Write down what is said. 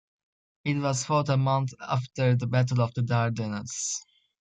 It was fought a month after the Battle of the Dardanelles.